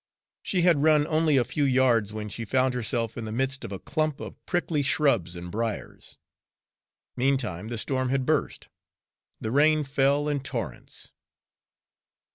She had run only a few yards when she found herself in the midst of a clump of prickly shrubs and briars. Meantime the storm had burst; the rain fell in torrents.